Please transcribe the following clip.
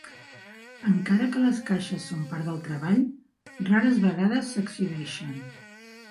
Encara que les caixes són part del treball, rares vegades s'exhibeixen.